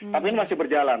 tapi ini masih berjalan